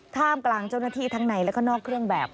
ท่ามกลางเจ้าหน้าที่ทั้งในและก็นอกเครื่องแบบ